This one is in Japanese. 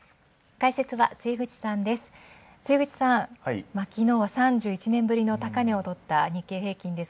解説は露口さんです。